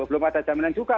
belum ada jaminan juga